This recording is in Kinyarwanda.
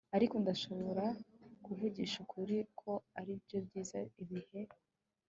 ariko ndashobora kuvugisha ukuri ko aribyo byiza ibihe